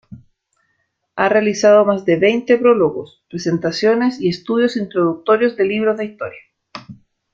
Ha realizado más de veinte prólogos, presentaciones y estudios introductorios de libros de historia.